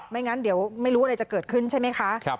งั้นเดี๋ยวไม่รู้อะไรจะเกิดขึ้นใช่ไหมคะ